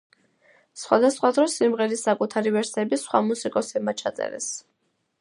სხვადასხვა დროს სიმღერის საკუთარი ვერსიები სხვა მუსიკოსებმა ჩაწერეს.